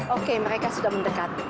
oke mereka sudah mendekat